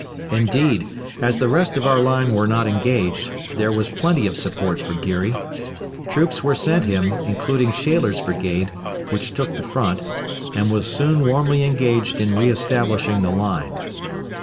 Indeed, as the rest of our line were not engaged, there was plenty of support for Geary. Troops were sent him, including Shaler's brigade, which took the front, and was soon warmly engaged in re establishing the line.